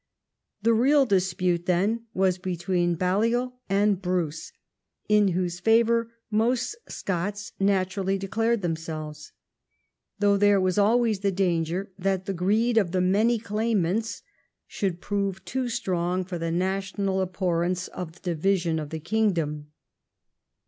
The real dispute then was between Balliol and Bruce, in whose favour most Scots naturally declared themselves ; though there was always the danger that the greed of the many claimants should prove too strong for the national ab horrence of the division of the kingdom.